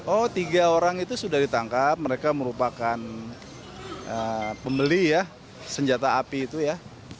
oh tiga orang itu sudah ditangkap mereka merupakan pembeli ya senjata api itu ya